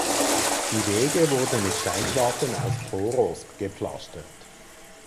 Die Wege wurden mit Steinplatten aus Poros gepflastert.